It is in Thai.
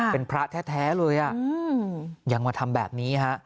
เป็นพระแท้เลยยังมาทำแบบนี้ฮะ